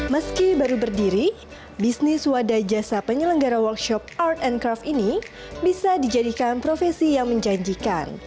meski baru berdiri bisnis wadah jasa penyelenggara workshop art and craft ini bisa dijadikan profesi yang menjanjikan